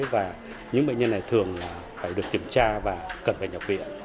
và những bệnh nhân này thường phải được kiểm tra và cần phải nhập viện điều trị